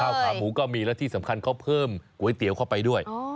ขาหมูก็มีและที่สำคัญเขาเพิ่มก๋วยเตี๋ยวเข้าไปด้วย